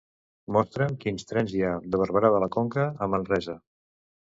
Mostra'm quins trens hi ha de Barberà de la Conca a Manresa.